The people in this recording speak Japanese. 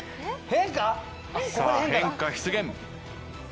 さあ変化出現。